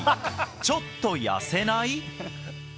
「ちょっと痩せない？」。